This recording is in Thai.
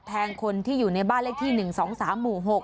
แทงคนที่อยู่ในบ้านเลขที่๑๒๓หมู่๖